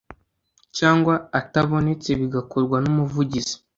Cyangwa atabonetse bigakorwa n umuvugizi